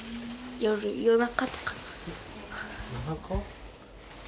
夜中？